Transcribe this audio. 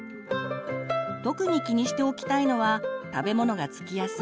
特に気にしておきたいのは食べ物が付きやすい口周りです。